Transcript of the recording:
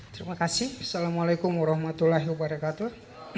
terima kasih ⁇ assalamualaikum warahmatullahi wabarakatuh